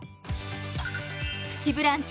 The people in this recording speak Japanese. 「プチブランチ」